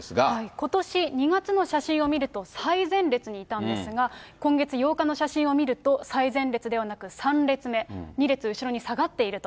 ことし２月の写真を見ると、最前列にいたんですが、今月８日の写真を見ると、最前列ではなく３列目、２列後ろに下がっていると。